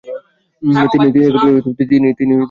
তিনি একজন শহীদ।